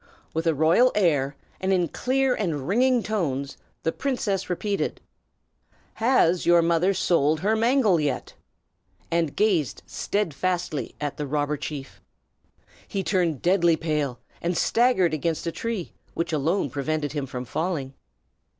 With a royal air, and in clear and ringing tones, the princess repeated, "Has your grandmother sold her mangle yet?" and gazed steadfastly at the robber chief. He turned deadly pale, and staggered against a tree, which alone prevented him from falling.